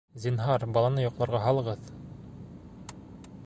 Зинһар, баланы йоҡларға һалығыҙ